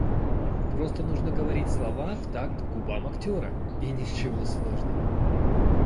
Просто нужно говорить слова в такт губам актера, ничего сложного.